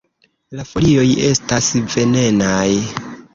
La folioj estas venenaj.